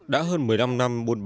đã hơn một mươi năm năm